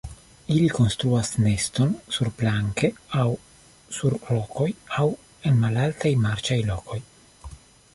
Ili konstruas neston surplanke aŭ sur rokoj aŭ en malaltaj marĉaj lokoj.